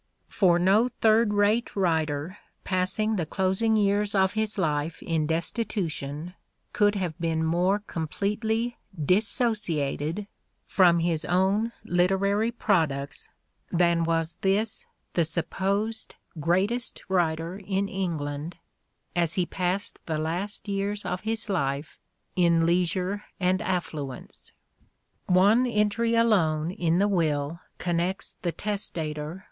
For no third rate writer passing the closing years of his life in destitution could have been more completely dissociated from his own literary products than was this the supposed greatest writer in England as he passed the last years of his life in leisure and affluence. 42 " SHAKESPEARE " IDENTIFIED Heminge One entry alone in the will connects the testator and Condell.